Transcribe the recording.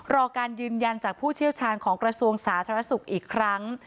รอการยืนยันจากผู้เชี่ยวชาญของกระทรวงสาธารณสุขอีกครั้ง